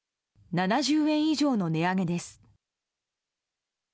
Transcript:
７０円以上の値上げです。